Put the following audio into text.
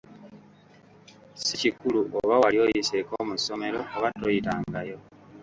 Ssi kikulu oba wali oyiseeko mu ssomero oba toyitangayo.